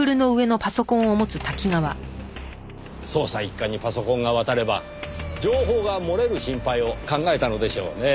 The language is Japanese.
捜査一課にパソコンが渡れば情報が漏れる心配を考えたのでしょうねぇ。